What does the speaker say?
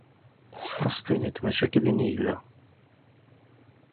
Ad as-tiniḍ mačči akk din i yella.